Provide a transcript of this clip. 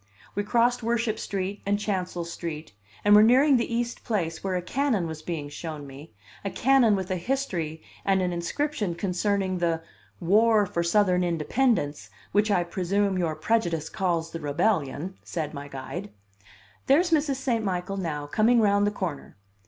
We crossed Worship Street and Chancel Street, and were nearing the East Place where a cannon was being shown me, a cannon with a history and an inscription concerning the "war for Southern independence, which I presume your prejudice calls the Rebellion," said my guide. "There's Mrs. St. Michael now, coming round the corner.